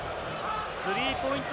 スリーポイント